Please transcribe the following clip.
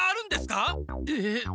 えっ？